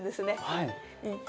はい。